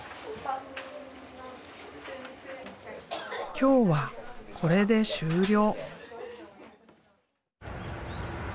今日はこれで終了。